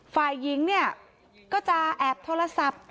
ฝ่ายหญิงก็จะแอบโทรศัพท์